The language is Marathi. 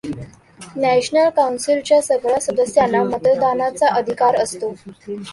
नॅशनल काउन्सिलच्या सगळ्या सदस्यांना मतदानाचा अधिकार असतो.